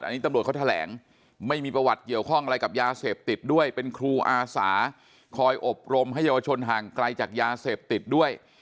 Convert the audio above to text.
อันนี้ตำรวจเขาแถลงไม่มีประวัติเกี่ยวข้องอะไรกับยาเสพติดด้วยเป็นครูอาสาคอยอบรมให้เยาวชนห่างไกลจากยาเสพติดด้วย